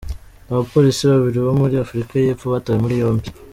Abapolisi babiri bo muri Afurika y’Epfo batawe muri yombi.